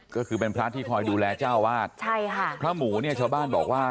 ก็คือเป็นพระที่คอยดูแลเจ้าวาดใช่ค่ะพระหมูเนี่ยชาวบ้านบอกว่า